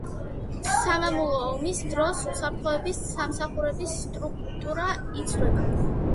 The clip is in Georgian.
სამამულო ომის დროს უსაფრთხოების სამსახურების სტრუქტურა იცვლება.